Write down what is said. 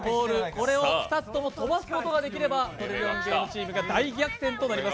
これを２つとも飛ばすことができれば「トリリオンゲーム」チームが大逆転となります。